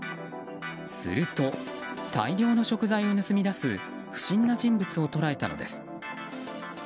すると、大量の食材を盗み出す不審な人物を捉えたのです。